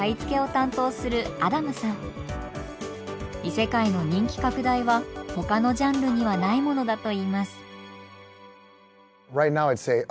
異世界の人気拡大は他のジャンルにはないものだといいます。